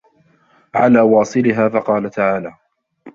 عَلَى وَاصِلِهَا فَقَالَ تَعَالَى